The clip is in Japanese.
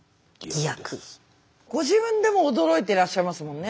ご自分でも驚いてらっしゃいますもんね。